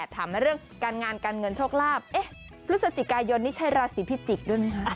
ถามเรื่องการงานการเงินโชคลาภพฤศจิกายนนี่ใช้ราศีพิจิกษ์ด้วยไหมคะ